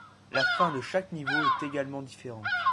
La fin de chaque niveau est également différente.